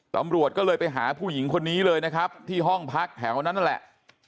ตำรวจก็เลยไปหาผู้หญิงคนนี้เลยนะครับที่ห้องพักแถวนั้นนั่นแหละ